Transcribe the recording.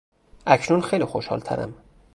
اکنون خیلی خوشحالترم.